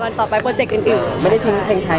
ก็คอยรอกันต่อไปโปรเจกต์กันอื่น